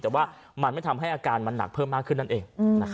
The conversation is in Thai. แต่ว่ามันไม่ทำให้อาการมันหนักเพิ่มมากขึ้นนั่นเอง